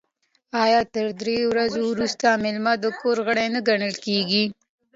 آیا تر دریو ورځو وروسته میلمه د کور غړی نه ګڼل کیږي؟